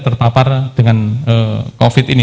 tertapar dengan covid ini